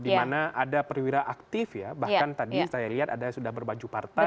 dimana ada perwira aktif ya bahkan tadi saya lihat ada sudah berbaju partai